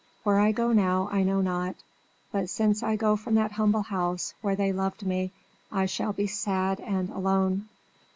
Where I go now I know not; but since I go from that humble house where they loved me, I shall be sad and alone.